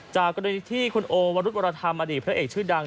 จากกรณีที่คุณโอวรุธวรธรรมอดีตพระเอกชื่อดัง